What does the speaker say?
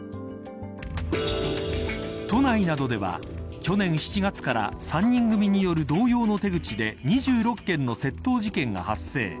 都内などでは、去年７月から３人組による同様の手口で２６件の窃盗事件が発生。